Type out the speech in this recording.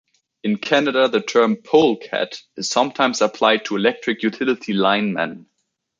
In Canada, the term "polecat" is sometimes applied to electric utility linemen.